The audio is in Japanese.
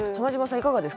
いかがですか？